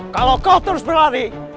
kalau kau terus berlari